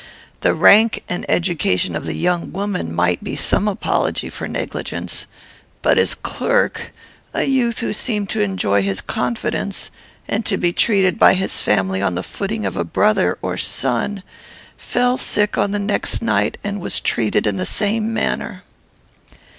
The rank and education of the young woman might be some apology for negligence; but his clerk, a youth who seemed to enjoy his confidence, and to be treated by his family on the footing of a brother or son, fell sick on the next night, and was treated in the same manner."